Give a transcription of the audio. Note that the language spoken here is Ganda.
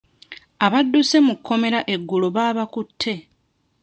Abadduse mu kkomera eggulo babakutte.